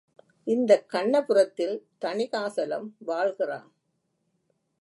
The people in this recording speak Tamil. இந்தக் கண்ணபுரத்தில் தணிகாசலம் வாழ்கிறான்.